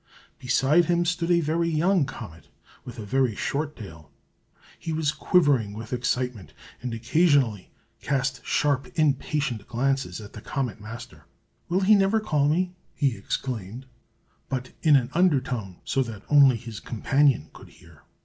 Beside him stood a very young comet, with a very short tail. He was quivering with excitement, and occasionally cast sharp impatient glances at the Comet Master. "Will he never call me?" he exclaimed, but in an undertone, so that only his companion could hear.